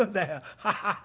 ハハハ。